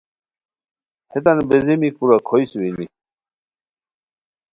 ہیتان بیزیمی کورا کھوئے سوئینی